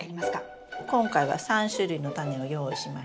今回は３種類のタネを用意しました。